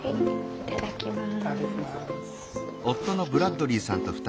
いただきます。